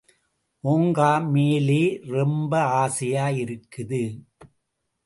ஒங்கமேலே ரொம்ப ஆசையா இருக்குது.